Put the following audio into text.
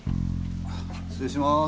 失礼しまーす。